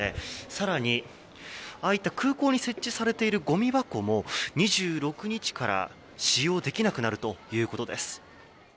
更に、空港に設置されたごみ箱も２６日から使用できなくなるということです。